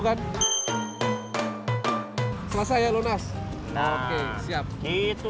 kita ngomongin chris tak sebelumnya kita mau nyapa dulu soproprosong yang sudah pada nonton